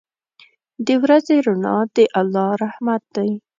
• د ورځې رڼا د الله رحمت دی.